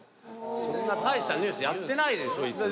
そんな大したニュースやってないでしょいつも。